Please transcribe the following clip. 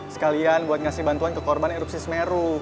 sekalian buat ngasih bantuan ke korban erupsi semeru